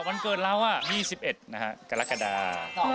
วันเกิดเรา๒๑กรกฎา